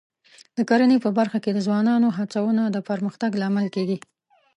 د کرنې په برخه کې د ځوانانو هڅونه د پرمختګ لامل کېږي.